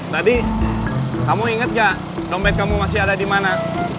tadi kamu ingat gak dompet kamu masih ada di mana